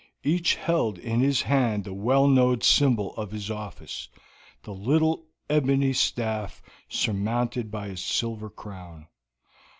Each held in his hand the well known symbol of his office, the little ebony staff surmounted by a silver crown.